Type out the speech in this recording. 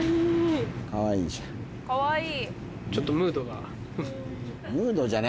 かわいい。